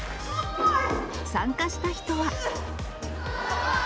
参加した人は。